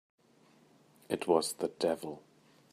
It was the devil!